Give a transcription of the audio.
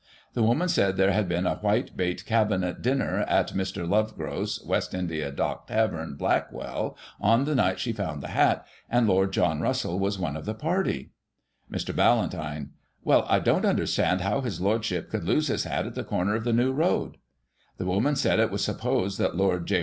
The woman said there had been a whitebait Cabinet dinner at Mr. Lovegrove's, West India Dock Tavern, Blackwall, on the night she foimd the hat, and Lord John Russell was one of the party. Mr. Ballantyne: Well, I don't understand how his Lord ship could lose his hat at the comer of the New Road. The woman said it was supposed that Lord J.